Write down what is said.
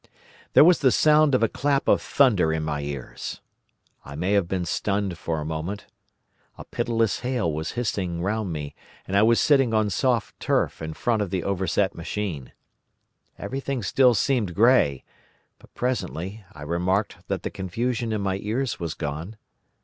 "There was the sound of a clap of thunder in my ears. I may have been stunned for a moment. A pitiless hail was hissing round me, and I was sitting on soft turf in front of the overset machine. Everything still seemed grey, but presently I remarked that the confusion in my ears was gone.